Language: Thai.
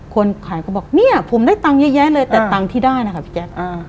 คนขายก็บอกเนี่ยผมได้ตังค์เยอะแยะเลยแต่ตังค์ที่ได้นะคะพี่แจ๊ค